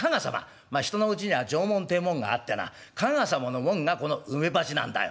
まあ人のうちには定紋ってえもんがあってな加賀様の紋がこの梅鉢なんだよ。